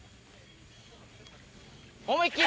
思いっ切り！